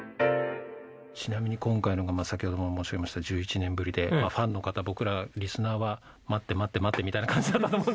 ちなみに今回先ほども申し上げました１１年ぶりでファンの方僕らリスナーは待って待って待ってみたいな感じだったと思うんですけど。